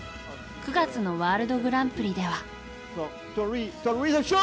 ９月のワールドグランプリでは。